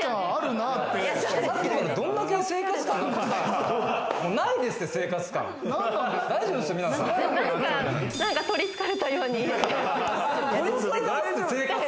なんか取り憑かれたように。